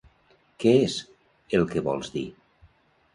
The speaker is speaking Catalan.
Què és el que vols dir?